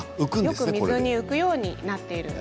水に浮くようになっています。